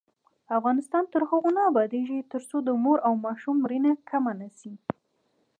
افغانستان تر هغو نه ابادیږي، ترڅو د مور او ماشوم مړینه کمه نشي.